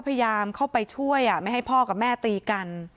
พยายามเข้าไปช่วยไม่ให้พ่อกับแม่ตีกัน